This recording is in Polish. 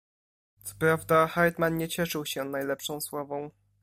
"Co prawda, Hartmann nie cieszył się najlepszą sławą."